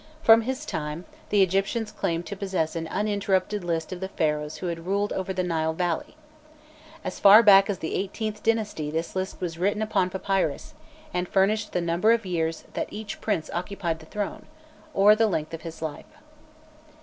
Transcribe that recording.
From his time, the Egyptians claimed to possess an uninterrupted list of the Pharaohs who had ruled over the Nile valley. As far back as the XVIIIth dynasty this list was written upon papyrus, and furnished the number of years that each prince occupied the throne, or the length of his life.